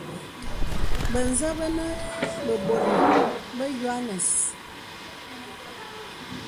Bə̀ zə bə nə bə̀bònè bə yoanɛ̀s.